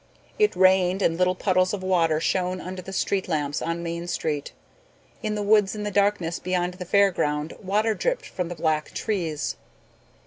It rained and little puddles of water shone under the street lamps on Main Street. In the woods in the darkness beyond the Fair Ground water dripped from the black trees.